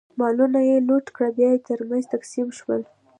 مالونه یې لوټ کړل، بیا یې ترمنځ تقسیم شول.